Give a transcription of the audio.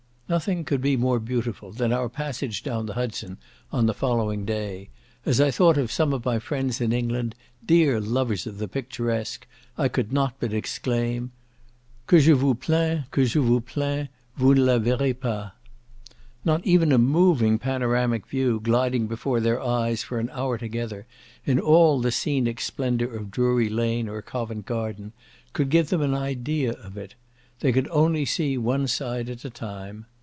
Nothing could be more beautiful than our passage down the Hudson on the following day, as I thought of some of my friends in England, dear lovers of the picturesque, I could not but exclaim, "Que je vous plains! que je vous plains! Vous ne la verrez pas." Not even a moving panoramic view, gliding before their eyes for an hour together, in all the scenic splendour of Drury Lane, or Covent Garden, could give them an idea of it. They could only see one side at a time.